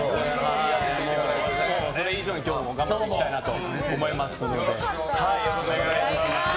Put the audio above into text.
もうそれ以上に今日頑張っていきたいなと思います。